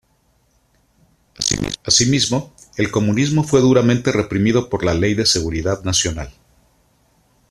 Asimismo, el comunismo fue duramente reprimido por la "Ley de Seguridad Nacional".